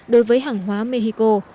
đối với hàng hóa mexico